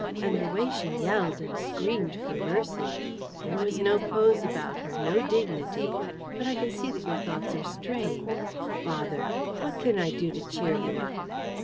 And the way she yelled and screamed for mercy! There was no pose about her, no dignity. But I can see that your thoughts are straying. Bother! What can I do to cheer you up?